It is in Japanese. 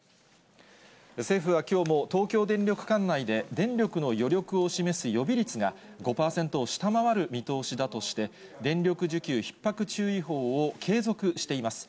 政府はきょうも東京電力管内で電力の余力を示す予備率が５％を下回る見通しだとして、電力需給ひっ迫注意報を継続しています。